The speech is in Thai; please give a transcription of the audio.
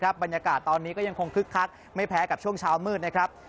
บรรยากาศตอนนี้ก็ยังคงคึกคักไม่แพ้กับช่วงเช้ามืดนะครับ